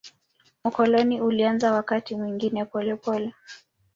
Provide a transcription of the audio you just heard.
Ukoloni ulianza wakati mwingine polepole.